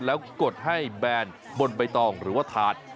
แล้วกดให้แบนบนใบตองหรือว่าถาด